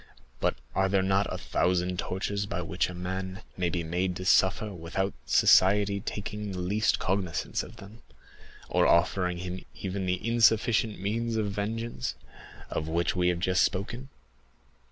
But are there not a thousand tortures by which a man may be made to suffer without society taking the least cognizance of them, or offering him even the insufficient means of vengeance, of which we have just spoken?